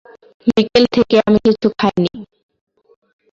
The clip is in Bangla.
বিকাল থেকে আমি কিছু খাইনি।